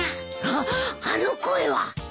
あっあの声は！